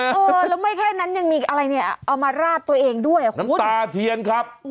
เออแล้วไม่แค่นั้นยังมีอะไรเนี่ยเอามาราดตัวเองด้วยอ่ะคุณน้ำตาเทียนครับ